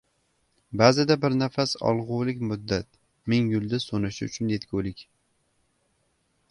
Ba’zida bir nafas olg‘ulik muddat – ming yulduz so‘nishi uchun yetgulik.